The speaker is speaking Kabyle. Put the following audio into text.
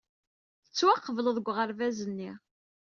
Tettwaqebled deg uɣerbaz-nni.